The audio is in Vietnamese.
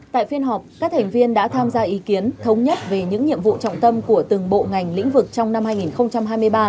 tại phiên họp các thành viên đã tham gia ý kiến thống nhất về những nhiệm vụ trọng tâm của từng bộ ngành lĩnh vực trong năm hai nghìn hai mươi ba